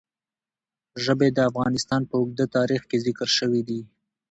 ژبې د افغانستان په اوږده تاریخ کې ذکر شوي دي.